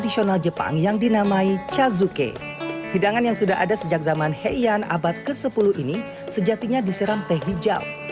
sejak zaman heian abad ke sepuluh ini sejatinya diseram teh hijau